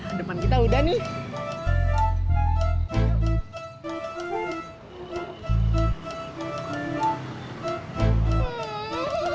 aku mau duduk sini bob